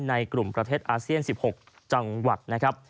ในกลุ่มประเทศอาเซียน๑๖จังหวัดนะครับ